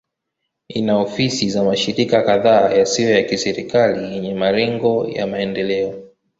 Ina ofisi za mashirika kadhaa yasiyo ya kiserikali yenye malengo ya maendeleo.